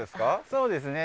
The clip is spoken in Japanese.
そうですね。